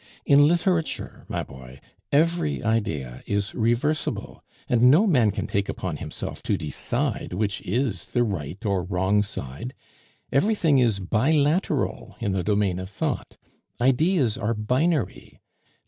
In literature, my boy, every idea is reversible, and no man can take upon himself to decide which is the right or wrong side. Everything is bi lateral in the domain of thought. Ideas are binary.